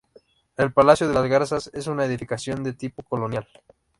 El Palacio de Las Garzas es una edificación de tipo Colonial.